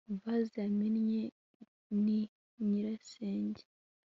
Vase yamennye ni nyirasenge